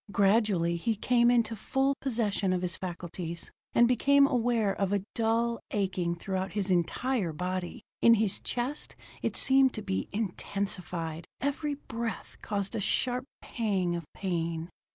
Gradually he came into full possession of his faculties and became aware of a dull aching throughout his entire body. In his chest it seemed to be intensified; every breath caused a sharp pang of pain.